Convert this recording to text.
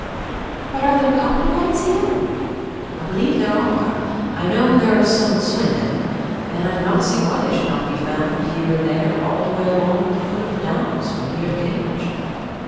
But are there Coprolites here? I believe there are: I know there are some at Swindon; and I do not see why they should not be found, here and there, all the way along the foot of the downs, from here to Cambridge.